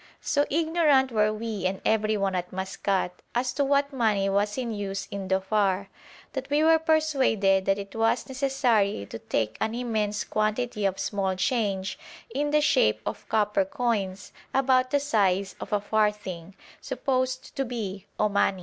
So ignorant were we and everyone at Maskat as to what money was in use in Dhofar, that we were persuaded that it was necessary to take an immense quantity of small change in the shape of copper coins about the size of a farthing, supposed to be Omani.